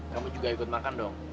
kamu juga ikut makan dong